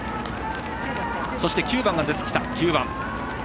そして、９番が出てきた。